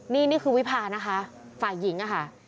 นี่นี่คือวิพานะคะฝ่ายหญิงอะค่ะ